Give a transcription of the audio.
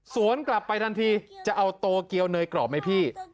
กลับไปทันทีจะเอาโตเกียวเนยกรอบไหมพี่